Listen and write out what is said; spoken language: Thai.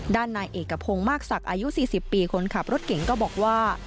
ด้านนายเอกพงศ์มากศักดิ์อายุ๔๐ปีคนขับรถเก่งก็บอกว่า